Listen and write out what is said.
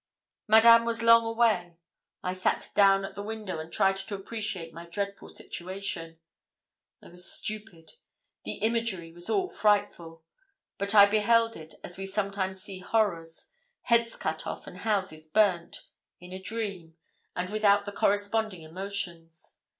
Madame was long away. I sat down at the window, and tried to appreciate my dreadful situation. I was stupid the imagery was all frightful; but I beheld it as we sometimes see horrors heads cut off and houses burnt in a dream, and without the corresponding emotions.